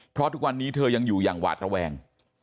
เพราะทุกวันนี้เธอยังอยู่อย่างหวาดระแวง